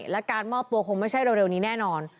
และการมอบตัวคงไม่ใช่เร็วนี้แน่นอน